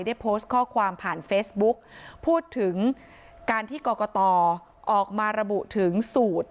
ได้โพสต์ข้อความผ่านเฟซบุ๊กพูดถึงการที่กรกตออกมาระบุถึงสูตร